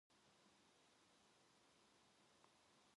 다만 반갑기만 한 마음에 춘우는 제 힘껏은 목소리를 높여서 불렀다.